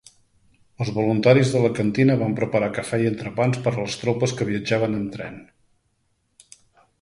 Els voluntaris de la cantina van preparar cafè i entrepans per a les tropes que viatjaven amb tren.